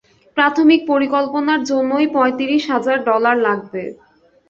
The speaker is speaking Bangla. প্রাথমিক পরিকল্পনার জন্যই পঁয়ত্রিশ হাজার ডলার লাগবে।